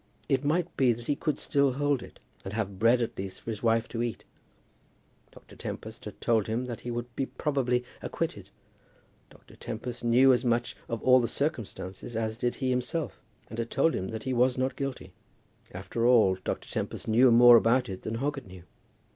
It might be that he could still hold it, and have bread at least for his wife to eat. Dr. Tempest had told him that he would be probably acquitted. Dr. Tempest knew as much of all the circumstances as did he himself, and had told him that he was not guilty. After all Dr. Tempest knew more about it than Hoggett knew.